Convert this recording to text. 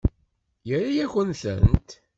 Yerra-yakent-tent.